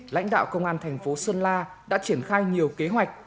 lãnh đạo công an thành phố sơn la đã triển khai nhiều kế hoạch